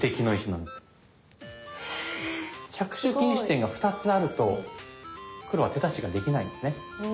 着手禁止点が２つあると黒は手出しができないですね。